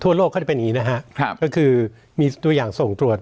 โลกเขาจะเป็นอย่างนี้นะฮะครับก็คือมีตัวอย่างส่งตรวจ